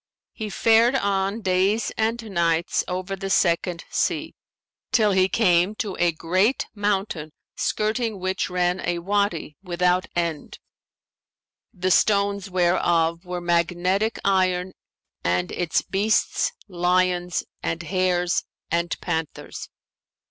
He fared on days and nights over the Second Sea, till he came to a great mountain skirting which ran a Wady without end, the stones whereof were magnetic iron and its beasts, lions and hares and panthers.